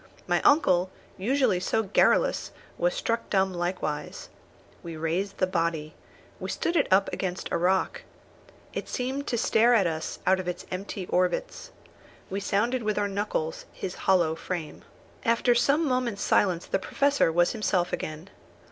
My uncle, usually so garrulous, was struck dumb likewise. We raised the body. We stood it up against a rock. It seemed to stare at us out of its empty orbits. We sounded with our knuckles his hollow frame. After some moments' silence the Professor was himself again.